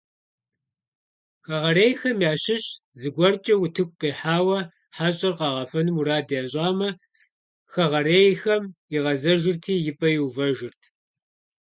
Хэгъэрейхэм ящыщ зыгуэркӀэ утыку къихьауэ хьэщӀэр къагъэфэну мурад ящӀамэ, хэгъэрейхэм игъэзэжырти, и пӀэ иувэжырт.